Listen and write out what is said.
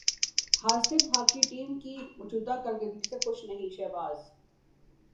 حاسد hockey team کی موجودہ کارکردگی سے خوش نہیں شہباز